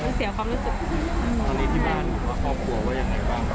ตอนนี้ที่บ้านความห่วงว่าอย่างไรบ้าง